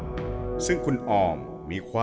เหมือนเล็บตลอดเวลา